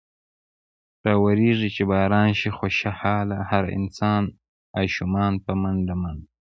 راورېږي چې باران۔ شي خوشحاله هر انسان ـ اشومان په منډه منډه ـ